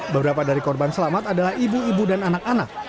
beberapa dari korban selamat adalah ibu ibu dan anak anak